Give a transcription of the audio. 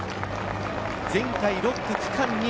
前回６区、区間２位。